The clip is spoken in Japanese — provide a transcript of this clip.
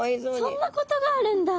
そんなことがあるんだ。